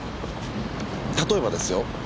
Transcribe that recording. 例えばですよ